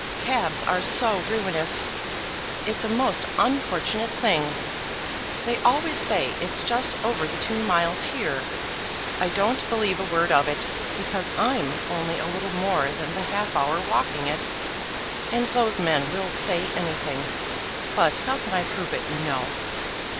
Cabs are so ruinous. It's a most unfortunate thing; they always say it's just over the two miles here. I don't believe a word of it, because I'm only a little more than the half hour walking it; and those men will say anything. But how can I prove it, you know?"